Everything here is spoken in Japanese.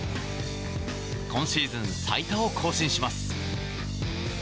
今シーズン最多を更新します。